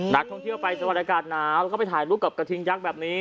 นักท่องเที่ยวไปจังหวัดอากาศหนาวแล้วก็ไปถ่ายรูปกับกระทิงยักษ์แบบนี้